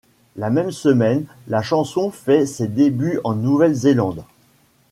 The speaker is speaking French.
La même semaine, la chanson fait ses débuts en Nouvelle-Zélande.